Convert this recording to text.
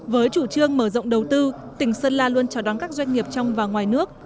với chủ trương mở rộng đầu tư tỉnh sơn la luôn chào đón các doanh nghiệp trong và ngoài nước